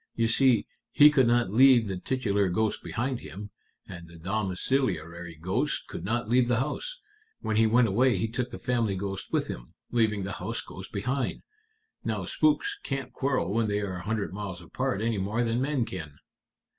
You see, he could not leave the titular ghost behind him, and the domiciliary ghost could not leave the house. When he went away he took the family ghost with him, leaving the house ghost behind. Now spooks can't quarrel when they are a hundred miles apart any more than men can."